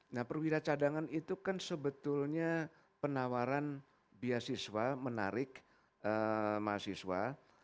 nah perwira cadangan itu kan sebetulnya penawaran beasiswa menarik mahasiswa